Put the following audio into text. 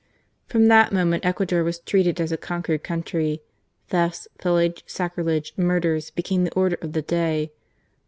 From that moment Ecuador was treated as a conquered country. Thefts, pillage, sacrilege, murders, became the order of the day.